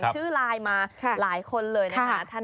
ฮ่าฮ่าฮ่าฮ่า